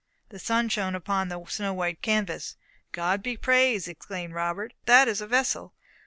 The sun shone upon the snow white canvas. "God be praised!" exclaimed Robert; "that is a vessel!